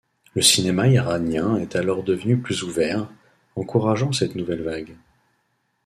Le cinéma iranien est alors devenu plus ouvert, encourageant cette nouvelle vague.